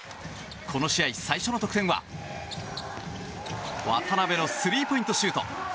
この試合最初の得点は渡邊のスリーポイントシュート。